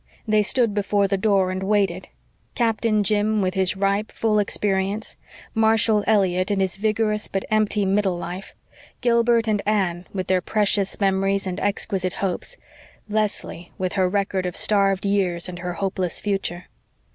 They stood before the door and waited Captain Jim with his ripe, full experience, Marshall Elliott in his vigorous but empty middle life, Gilbert and Anne with their precious memories and exquisite hopes, Leslie with her record of starved years and her hopeless future.